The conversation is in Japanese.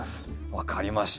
分かりました。